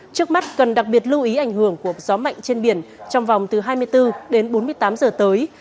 trước mắt cần đặc biệt lưu ý ảnh hưởng của gió mạnh trên biển trong vòng từ hai mươi bốn đến bốn mươi tám giờ tới